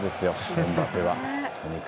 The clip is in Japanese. エムバペは。